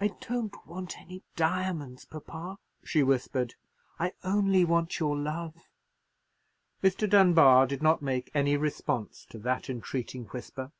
"I don't want any diamonds, papa," she whispered; "I only want your love." Mr. Dunbar did not make any response to that entreating whisper.